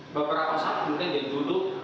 beberapa saat kemudian dia duduk